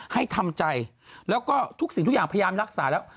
ให้ทำใจแล้วก็ทุกสิ่งทุกอย่างพยายามรักษาแล้ว